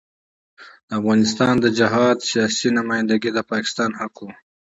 د افغانستان د جهاد سیاسي نمايندګي د پاکستان حق وو.